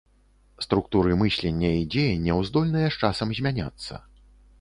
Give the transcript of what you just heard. Структуры мыслення і дзеянняў здольныя з часам змяняцца.